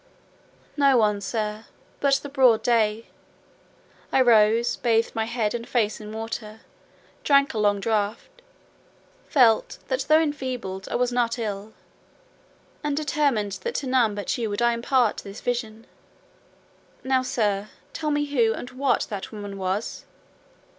"No one, sir, but the broad day. I rose, bathed my head and face in water, drank a long draught; felt that though enfeebled I was not ill, and determined that to none but you would I impart this vision. Now, sir, tell me who and what that woman was?"